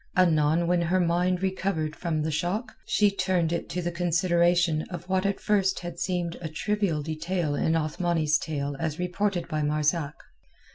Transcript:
Anon, when her mind recovered from the shock she turned it to the consideration of what at first had seemed a trivial detail in Othmani's tale as reported by Marzak.